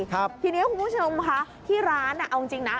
ทีนี้คุณผู้ชมค่ะที่ร้านอ่ะเอาจริงนะ